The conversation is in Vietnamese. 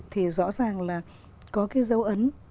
thì rõ ràng là có cái dấu ấn